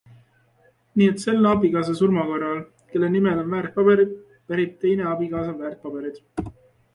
Nii et selle abikaasa surma korral, kelle nimel on väärtpaberid, pärib teine abikaasa väärtpaberid.